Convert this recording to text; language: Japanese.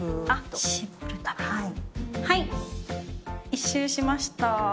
一周しました。